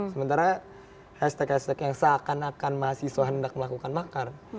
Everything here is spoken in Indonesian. sementara hashtag hashtag yang seakan akan mahasiswa hendak melakukan makar